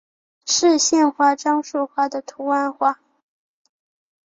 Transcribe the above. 是县花樟树花的图案化。